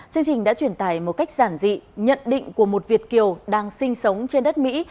chương trình đã truyền tải một cách giản dị nhận định của một việt kiều đang sinh sống trên đất mỹ